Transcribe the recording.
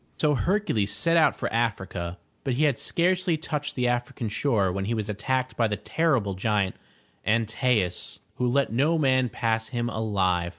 So Hercules set out for Africa, but he had scarcely touched the African shore, when he was attacked by the terrible giant, An tae'us, who let no man pass him alive.